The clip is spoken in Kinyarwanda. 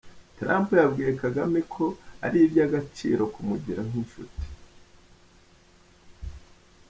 Trump yabwiye Kagame ko ari iby’agaciro ‘kumugira nk’inshuti’.